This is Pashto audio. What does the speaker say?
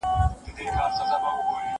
که عدالت پلی شي، ټولنیز توازن ساتل کېږي.